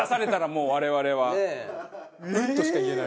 「うん」としか言えない。